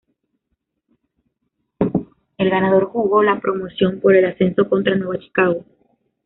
El ganador jugó la Promoción por el ascenso contra Nueva Chicago.